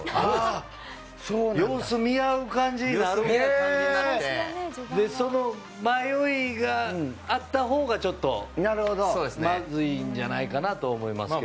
様子を見合う感じになってその迷いがあったほうがちょっとまずいんじゃないかなと思いますが。